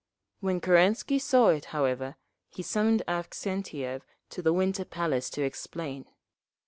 When Kerensky saw it, however, he summoned Avksentiev to the Winter Palace to explain.